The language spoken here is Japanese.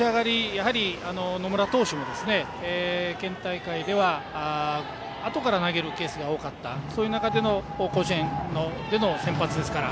やはり野村投手は県大会ではあとから投げるケースが多かったそういう中での甲子園での先発ですから。